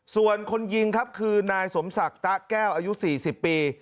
ส่วนคนยิงครับคือนายสมศักดิ์ตะแก้วอายุ๔๐ปี